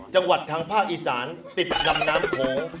จังหวัดทางภาคอีสานติดลำน้ำโขง